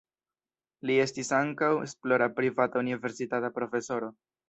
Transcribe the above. Li estis ankaŭ esplora privata universitata profesoro.